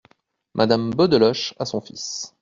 Madame Beaudeloche , à son fils.